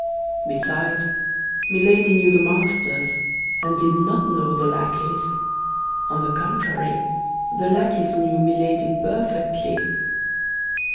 Besides, Milady knew the masters, and did not know the lackeys; on the contrary, the lackeys knew Milady perfectly.